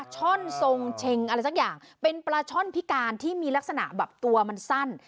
ช่อนทรงเช็งอะไรสักอย่างเป็นปลาช่อนพิการที่มีลักษณะแบบตัวมันสั้น